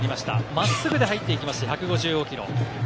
真っすぐで入ってきまして１５５キロ。